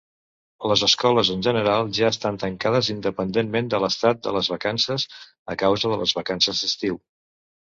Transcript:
Les escoles en general ja estan tancades, independentment de l'estat de les vacances, a causa de les vacances d'estiu.